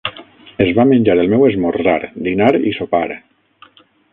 Es va menjar el meu esmorzar, dinar i sopar.